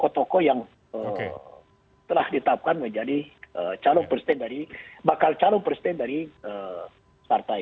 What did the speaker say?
oleh toko toko yang telah ditapkan menjadi bacal calon presiden dari partai